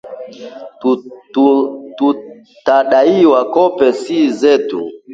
"Tutadaiwa kope si zetu!"